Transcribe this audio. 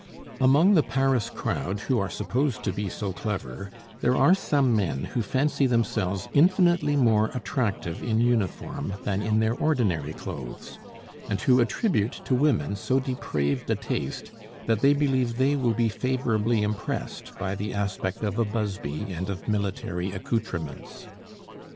Among the Paris crowd, who are supposed to be so clever, there are some men who fancy themselves infinitely more attractive in uniform than in their ordinary clothes, and who attribute to women so depraved a taste that they believe they will be favorably impressed by the aspect of a busby and of military accoutrements.